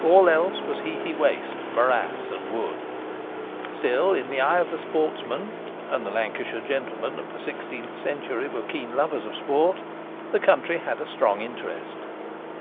All else was heathy waste, morass, and wood. Still, in the eye of the sportsman and the Lancashire gentlemen of the sixteenth century were keen lovers of sport the country had a strong interest.